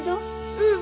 うん。